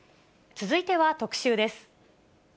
続いては特集です。